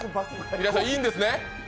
平井さん、いいんですね？